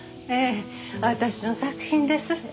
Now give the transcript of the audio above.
ええ私の作品です。